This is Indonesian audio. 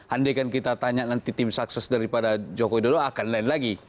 andai kan kita tanya tim sukses daripada jokowi dodo akan lain lagi